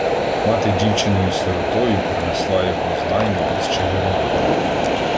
Мати дівчиною-сиротою принесла його з наймів із Чигирина.